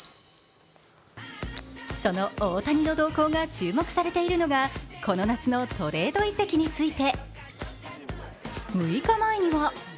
その大谷の動向が注目されているのがこの夏のトレード移籍について。